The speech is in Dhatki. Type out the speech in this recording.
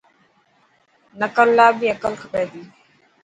نڪل لا بي عقل کپي تي.